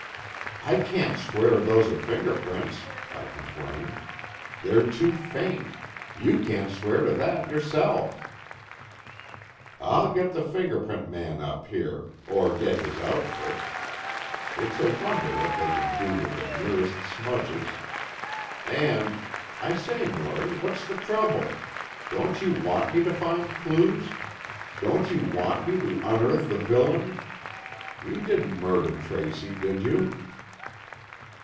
"I can't swear those are fingerprints," I complained. "They're too faint. You can't swear to that yourself." "I'll get the fingerprint man up here, or get his outfit. It's a wonder what they can do with the merest smudges. And, I say, Norry, what's the trouble? Don't you want me to find clues? Don't you want me to unearth the villain? You didn't murder Tracy, did you?"